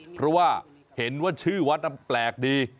เพราะว่าเห็นว่าชื่อวัดแปลกดี